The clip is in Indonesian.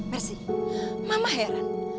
merci mama heran